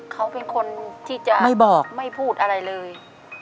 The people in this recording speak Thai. เขาเป็นคนที่จะไม่พูดอะไรเลยไม่บอก